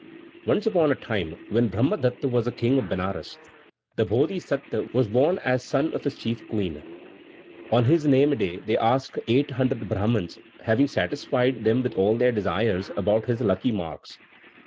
_ Once upon a time, when Brahmadatta was King of Benares, the Bodhisatta was born as son of his chief queen. On his name day they asked 800 Brahmans, having satisfied them with all their desires, about his lucky marks.